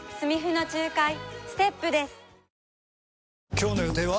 今日の予定は？